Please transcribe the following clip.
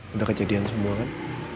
udah kejadian semua kan